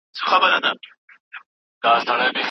چي به ما یې رابللی ته به زما سره خپلېږي